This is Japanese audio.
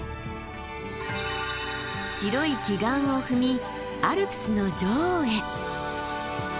白い奇岩を踏みアルプスの女王へ。